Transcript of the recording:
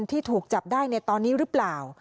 ที่ถูกจับได้ในตอนนี้หรือเปล่า